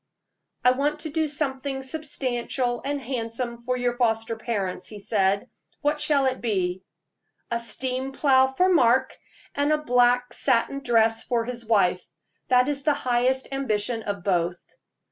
"I want to do something substantial and handsome for your foster parents," he said. "What shall it be?" "A steam plow for Mark, and a black satin dress for his wife that is the highest ambition of both."